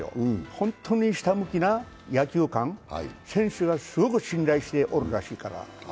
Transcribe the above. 本当にひたむきな野球感選手をすごく信頼しているみたいだから。